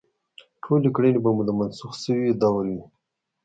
ټولې کړنې به مو د منسوخ شوي دور وي.